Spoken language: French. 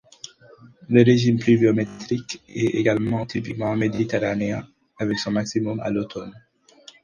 Le régime pluviométrique est également typiquement méditerranéen, avec son maximum à l'automne.